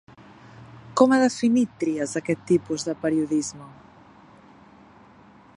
Com ha definit Trias aquest tipus de periodisme?